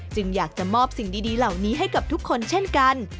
อยากจะมอบสิ่งดีเหล่านี้ให้กับทุกคนเช่นกัน